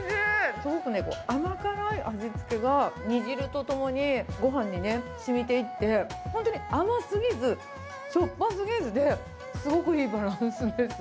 すごくね、甘辛い味付けが、煮汁とともにごはんにね、しみていって、本当に甘すぎず、しょっぱすぎずで、すごくいいバランスです。